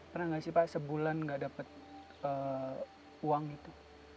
pernah gak sih pak sebulan gak dapet uang gitu